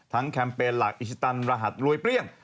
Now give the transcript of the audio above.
แคมเปญหลักอิชิตันรหัสรวยเปรี้ยง